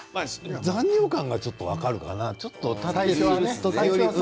残尿感は分かるかな。